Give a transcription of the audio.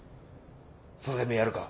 それでもやるか？